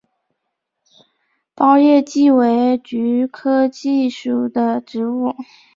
苞叶蓟为菊科蓟属的植物。